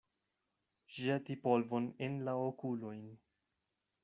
Ĵeti polvon en la okulojn.